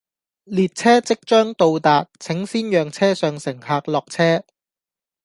列車即將到達，請先讓車上乘客落車